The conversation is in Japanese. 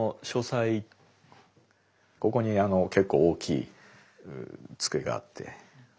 ここに結構大きい机があって。